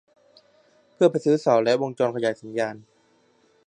เพื่อไปซื้อเสาและวงจรขยายสัญญาณ